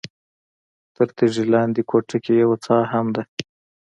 تر تیږې لاندې کوټه کې یوه څاه هم ده.